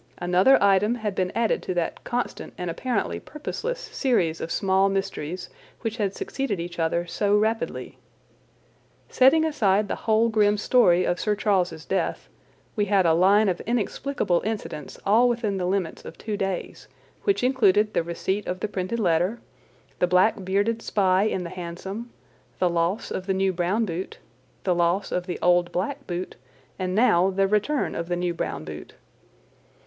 Another item had been added to that constant and apparently purposeless series of small mysteries which had succeeded each other so rapidly. Setting aside the whole grim story of Sir Charles's death, we had a line of inexplicable incidents all within the limits of two days, which included the receipt of the printed letter, the black bearded spy in the hansom, the loss of the new brown boot, the loss of the old black boot, and now the return of the new brown boot.